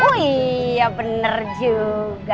oh iya bener juga